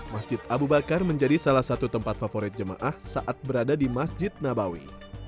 masjid abu bakar menjadi salah satu tempat favorit jemaah saat berada di masjid nabawi